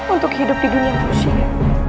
untuk hidup di dunia rusia